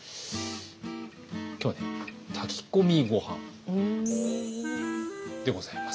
今日はね炊き込みご飯でございます。